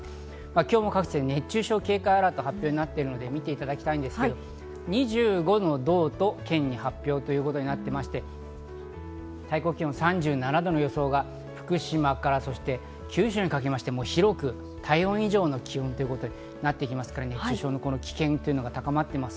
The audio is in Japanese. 今日も各地で熱中症警戒アラートが発表されているので見てください、２５の道と県に発表ということになっていまして、最高気温３７度の予想が福島から九州にかけまして広く体温以上の気温ということになってきますから、熱中症の危険が高まっています。